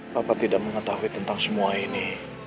bapak tidak mengetahui tentang semua ini